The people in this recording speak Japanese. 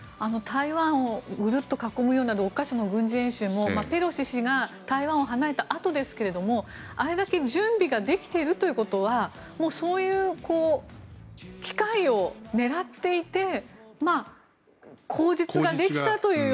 台湾をグルッと囲むような６か所の軍事演習もペロシ氏が台湾を離れたあとですがあれだけ準備ができているということはそういう機会を狙っていて口実ができたという。